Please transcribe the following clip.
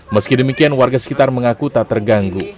meski demikian warga sekitar mengaku tak terganggu